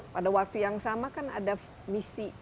pada waktu yang sama kan ada misi